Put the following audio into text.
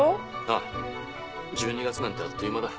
ああ１２月なんてあっという間だ。